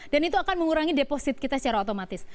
dan itu akan mengurangi deposit kita secara otomatis